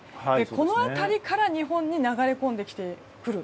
この辺りから日本に流れ込んでくる。